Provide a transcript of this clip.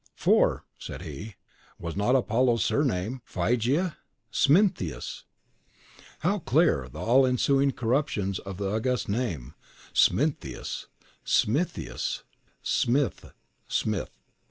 "For," said he, "was not Apollo's surname, in Phrygia, Smintheus? How clear all the ensuing corruptions of the august name, Smintheus, Smitheus, Smithe, Smith!